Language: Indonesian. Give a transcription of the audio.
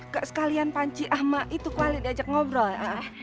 gak sekalian panci ama itu kualit diajak ngobrol